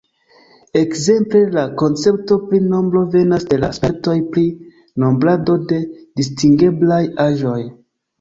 Ekzemple la koncepto pri nombro venas de la spertoj pri nombrado de distingeblaj aĵoj.